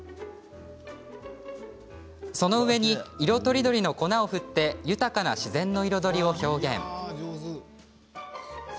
その上に色とりどりの粉を振って豊かな自然の彩りを表現。